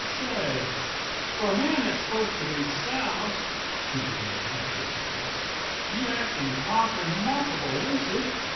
"Say, for a man that's supposed to be soused," he began, after a silence, "you act and talk remarkably lucid.